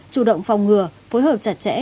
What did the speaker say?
chủ động phòng ngừa phối hợp chặt chẽ